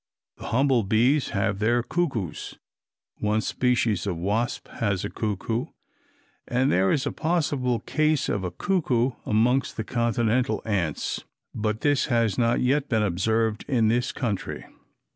The humble bees have their cuckoos; one species of wasp has a cuckoo, and there is a possible case of a cuckoo amongst the continental ants, but this has not yet been observed in this country.